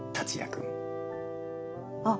あっ。